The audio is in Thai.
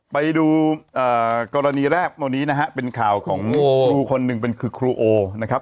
ไปดูกรณีแรกตอนนี้นะฮะเป็นข่าวของครูคนหนึ่งเป็นคือครูโอนะครับ